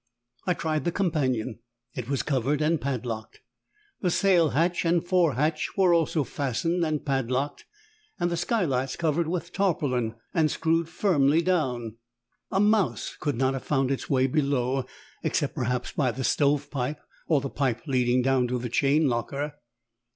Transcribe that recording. I tried the companion: it was covered and padlocked. The sail hatch and fore hatch were also fastened and padlocked, and the skylights covered with tarpaulin and screwed firmly down. A mouse could not have found its way below, except perhaps by the stove pipe or the pipe leading down to the chain locker.